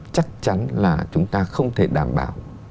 chắc chắn là chúng ta không thể đảm bảo